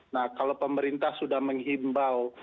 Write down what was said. nah kalau pemerintah sudah menghimbau